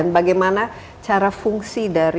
dan bagaimana cara fungsi dari